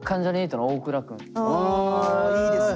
あいいですね。